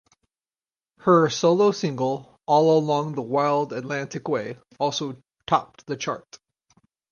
Her solo single "All Along the Wild Atlantic Way" also topped the chart.